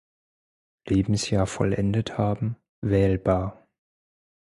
Lebensjahr vollendet haben, wählbar.